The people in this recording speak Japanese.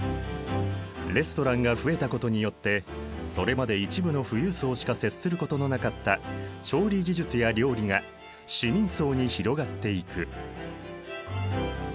レストランが増えたことによってそれまで一部の富裕層しか接することのなかった調理技術や料理が市民層に広がっていく。